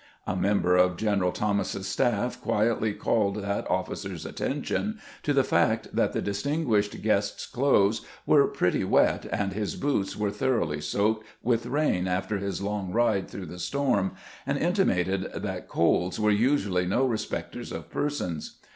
A member of General Thomas's staff quietly called that officer's attention to the fact that the distinguished guest's clothes were pretty wet and his boots were thoroughly soaked with rain after his long ride through the storm, and intimated that colds were usually no re specters of persons.